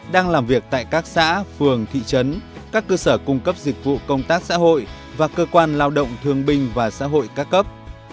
đang làm việc tại các xã phường thị trấn các cơ sở cung cấp dịch vụ công tác xã hội và cơ quan lao động thương binh và xã hội ca cấp